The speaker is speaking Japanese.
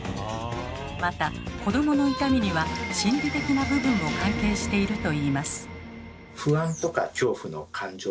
また子どもの痛みには心理的な部分も関係しているといいます。